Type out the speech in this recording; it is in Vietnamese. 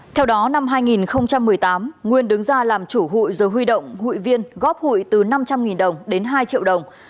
theo đó năm hai nghìn một mươi tám nguyên đứng ra làm chủ hụi rồi huy động hụi viên góp hụi từ năm trăm linh đồng đến hai triệu đồng